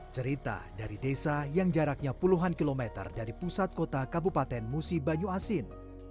cerita dari desa yang jaraknya puluhan kilometer dari pusat kota kabupaten musi banyu asin